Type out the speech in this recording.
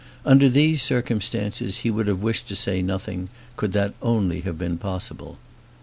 Under these circumstances, he would have wished to say nothing, could that only have been possible.